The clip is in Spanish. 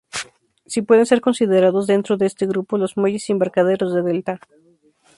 Si pueden ser considerados dentro de este grupo los muelles y embarcaderos del delta.